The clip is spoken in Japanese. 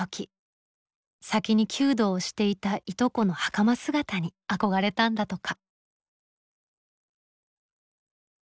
先に弓道をしていたいとこの袴姿に憧れたんだとか。